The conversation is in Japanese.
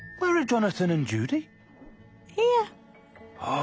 あ！